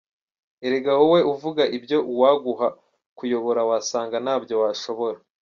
Erega wowe uvuga ibyo uwaguha kuyobora wasanga ntabyo washobora.